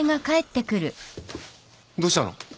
どうしたの？